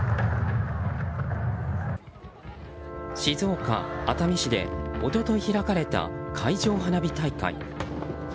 静岡・熱海市で一昨日開かれた海上花火大会。